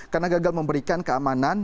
karena gagal memberikan keamanan